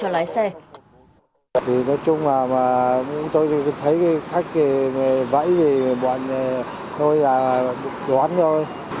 vì nói chung là tôi thấy khách vẫy thì bọn tôi đoán thôi